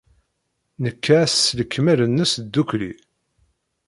Nekka ass s lekmal-nnes ddukkli.